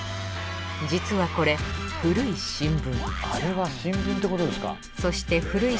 実はこれ古い新聞。